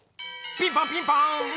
ピンポンピンポン！